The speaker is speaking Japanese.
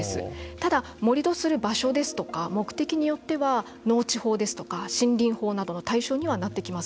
ただ、盛り土する場所ですとか目的によっては農地法ですとか森林法などの対象にはなってきます。